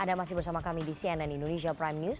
anda masih bersama kami di cnn indonesia prime news